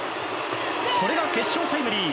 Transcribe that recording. これが決勝タイムリー。